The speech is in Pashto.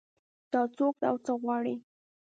دا څوک ده او څه غواړي